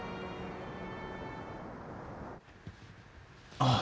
ああ。